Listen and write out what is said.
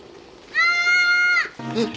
あっ！